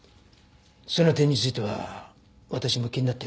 その点については私も気になっています。